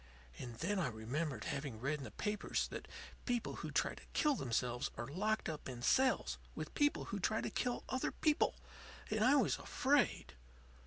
And then I remembered having read in the papers that people who try to kill themselves are locked up in cells with people who try to kill other people, and I was afraid.